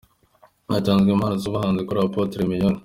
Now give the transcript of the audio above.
Hatanzwe impano z'ubuhanuzi kuri Apotre Mignone.